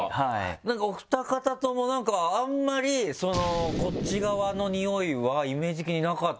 なんかお二方ともあんまりこっち側のにおいはイメージ的になかった。